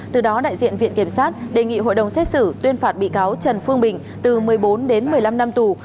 từ đó đại diện viện kiểm sát đề nghị hội đồng xét xử tuyên phạt bị cáo trần phương bình từ một mươi bốn đến một mươi năm năm tù